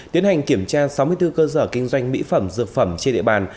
tiến hành kiểm tra sáu mươi bốn cơ sở kinh doanh mỹ phẩm dược phẩm trên địa bàn